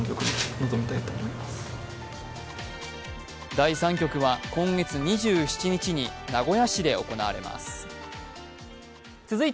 第３局は今月２７日に名古屋市で行われます。